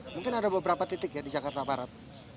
mungkin ada beberapa titik ya di jakarta barat